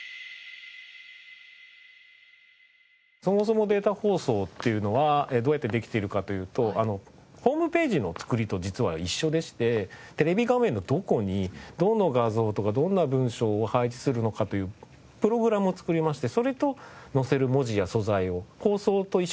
そもそもデータ放送っていうのはどうやってできているかというとホームページの作りと実は一緒でしてテレビ画面のどこにどの画像とかどんな文章を配置するのかというプログラムを作りましてそれとのせる文字や素材を放送と一緒に送ってます。